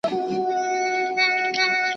موږ بايد نننۍ نړۍ درک کړو.